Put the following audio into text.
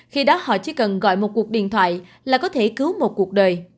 khi đó họ chỉ cần gọi một cuộc điện thoại là có thể cứu một cuộc đời